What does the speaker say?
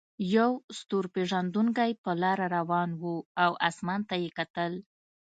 یو ستور پیژندونکی په لاره روان و او اسمان ته یې کتل.